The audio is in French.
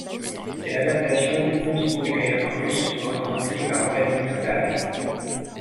C'est l'adaptation du conte populaire russe retranscrit par Vladimir Dahl.